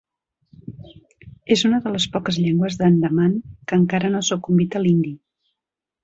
És una de les poques llengües d'Andaman que encara no ha sucumbit a l'hindi.